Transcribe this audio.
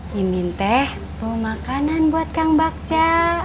mimin teh mau makanan buat kang bakja